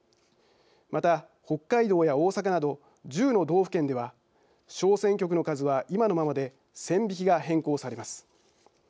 また、北海道や大阪など１０の道府県では小選挙区の数は今のままで線引きが変更されます。